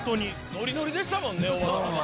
ノリノリでしたもんね。